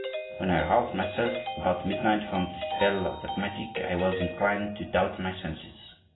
When I roused myself about midnight from the spell of that magic, I was inclined to doubt my senses.